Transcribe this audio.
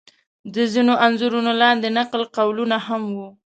د ځینو انځورونو لاندې نقل قولونه هم و.